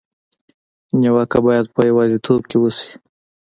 نیوکه باید په یوازېتوب کې وشي.